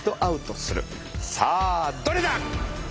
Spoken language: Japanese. さあどれだ？